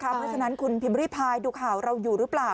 เพราะฉะนั้นคุณพิมพ์ริพายดูข่าวเราอยู่หรือเปล่า